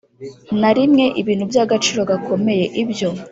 na rimwe ibintu by agaciro gakomeye Ibyo